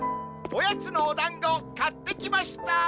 おやつのおだんご買ってきました。